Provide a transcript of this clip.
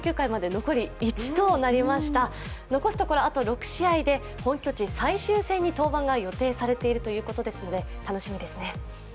残すところあと６試合で本拠地最終戦に登板が予定されているということですので、楽しみですね。